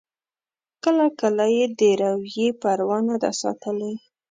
کله کله یې د روي پروا نه ده ساتلې.